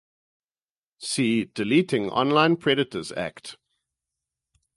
See Deleting Online Predators Act.